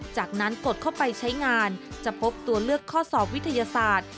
จากนั้นกดเข้าไปใช้งานจะพบตัวเลือกข้อสอบวิทยาศาสตร์